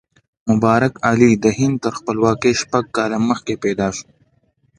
مبارک علي د هند تر خپلواکۍ شپږ کاله مخکې پیدا شو.